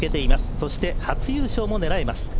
そして初優勝も狙えます。